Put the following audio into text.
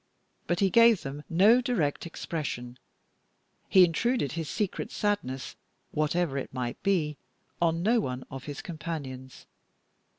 But he gave them no direct expression; he intruded his secret sadness, whatever it might be, on no one of his companions.